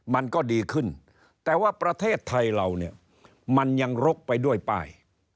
มันก็ดีขึ้นแต่ว่าประเทศไทยเราเนี่ยมันยังรกไปด้วยป้าย